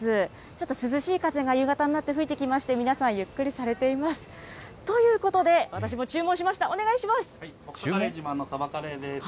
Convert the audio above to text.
ちょっと涼しい風が夕方になって吹いてきまして、皆さん、ゆっくりされています。ということで、私も注文しました、サバカレーです。